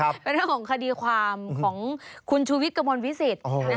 เป็นเรื่องของคดีความของคุณชูวิทย์กระมวลวิสิต